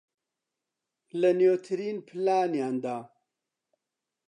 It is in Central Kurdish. لە نوێترین پلانیاندا